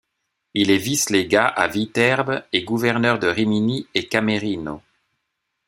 Il est vice-légat à Viterbe et gouverneur de Rimini et Camerino.